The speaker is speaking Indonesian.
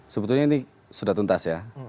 sebetulnya ini sudah tuntas